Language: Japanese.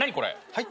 はい？